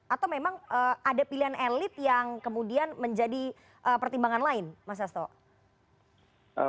atau memang ada pilihan elit yang kemudian menjadi pertimbangan lain mas asto